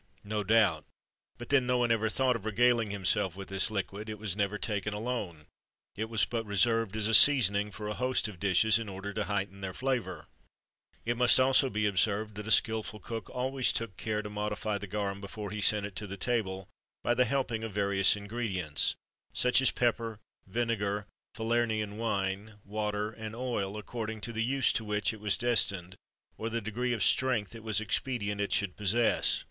No doubt, but then no one ever thought of regaling himself with this liquid; it was never taken alone; it was but reserved as a seasoning for a host of dishes, in order to heighten their flavour. It must also be observed, that a skilful cook always took care to modify the garum before he sent it to table, by the help of various ingredients, such as pepper, vinegar, Falernian wine,[XXIII 36] water, and oil,[XXIII 37] according to the use to which it was destined, or the degree of strength it was expedient it should possess.